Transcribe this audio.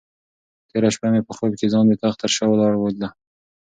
تېره شپه مې په خوب کې ځان د تخت تر شا ولاړه ولیده.